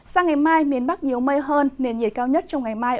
sang ngày mai miền bắc nhiều mây hơn nền nhiệt cao nhất trong ngày mai